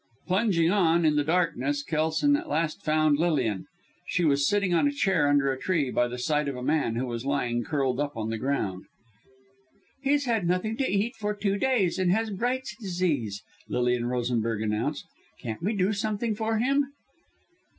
Plunging on, in the darkness, Kelson at last found Lilian. She was sitting on a chair under a tree, by the side of a man, who was lying, curled up, on the ground. "He's had nothing to eat for two days, and has Bright's Disease," Lilian Rosenberg announced. "Can't we do something for him?"